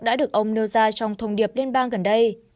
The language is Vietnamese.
đã được ông nêu ra trong thông điệp liên bang gần đây